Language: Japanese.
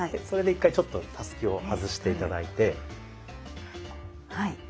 それで一回ちょっとたすきを外して頂いて。